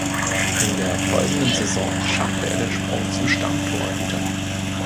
In der folgenden Saison schaffte er den Sprung zum Stammtorhüter.